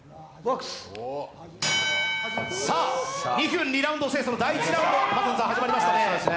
２分２ラウンドの第１ラウンド、始まりましたね。